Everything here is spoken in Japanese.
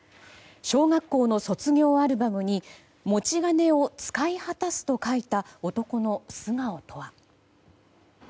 小学校の卒業アルバムに「持ち金を使い果たす」と書いた男の素顔とは。